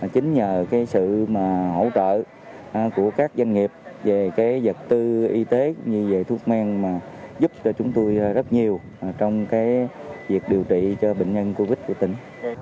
chính nhờ cái sự hỗ trợ của các doanh nghiệp về vật tư y tế như về thuốc men mà giúp cho chúng tôi rất nhiều trong việc điều trị cho bệnh nhân covid của tỉnh